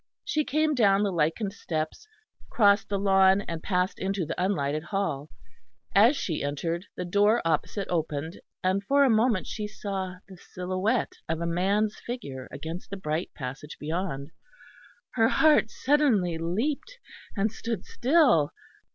She came down the lichened steps, crossed the lawn, and passed into the unlighted hall. As she entered, the door opposite opened, and for a moment she saw the silhouette of a man's figure against the bright passage beyond. Her heart suddenly leapt, and stood still.